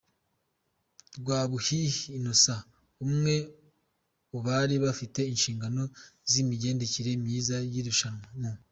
Rwabuhihi Innocent umwe u bari bafite inshingano z'imigendekere myiza y'irushanwaMu